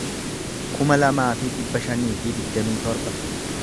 kuma lamaa fi dhibba shanii fi digdamii torba